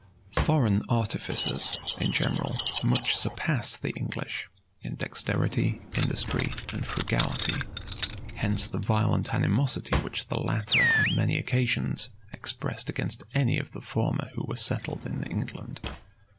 * Hall, fol. 174. Anderson, vol. i. p. 338. Foreign artificers, in general, much surpassed the English in dexterity, industry, and frugality: hence the violent animosity which the latter on many occasions expressed against any of the former who were settled in England.